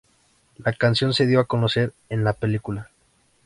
La canción se dio a conocer en la película.